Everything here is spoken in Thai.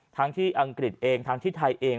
ทั้งที่อังกฤษเองทั้งที่ไทยเอง